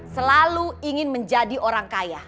selalu ingin menjadi orang kaya